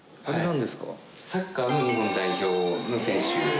サッカーの日本代表の選手ですね。